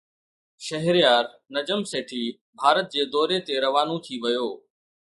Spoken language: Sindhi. شهريار نجم سيٺي ڀارت جي دوري تي روانو ٿي ويو